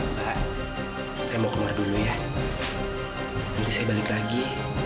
mbak saya mau keluar dulu ya nanti saya balik lagi